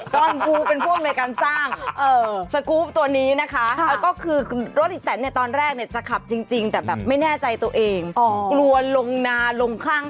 จอนบูเป็นผู้อำนวยการสร้าง